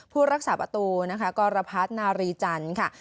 ผู้รักษาประตูกรพรรดินารีจันทร์ค่ะ